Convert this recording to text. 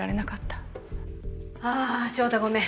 ああ翔太ごめん。